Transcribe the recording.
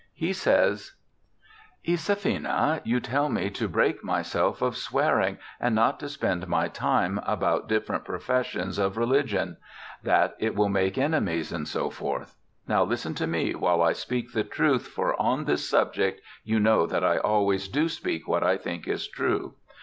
He says :* Isaphaena, you tell me to break myself of swearing, and not to spend my time about different professions of religion ; that it will make enemies, &c. Now listen to me while I speak the truth, for on this subject you know that I always do speak what I think is true.